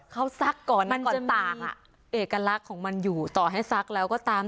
เขาซักก่อนมันก่อนตากอ่ะเอกลักษณ์ของมันอยู่ต่อให้ซักแล้วก็ตาม